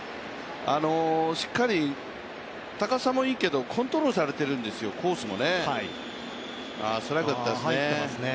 しっかり高さもいいけど、コントロールされているんですよ、コースも。